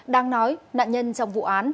đang nói nạn nhân trong vụ án